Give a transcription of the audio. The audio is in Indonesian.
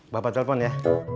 bapak telpon ya